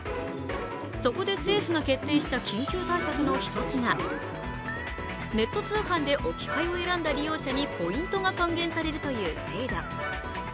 そこで政府が決定した緊急対策の１つがネット通販で置き配を選んだ利用者にポイントが還元されるという制度。